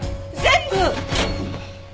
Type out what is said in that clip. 全部！